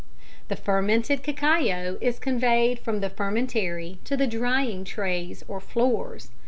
_ The fermented cacao is conveyed from the fermentary to the drying trays or floors.